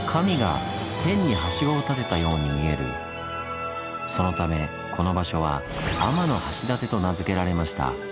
そのためこの場所は「天橋立」と名付けられました。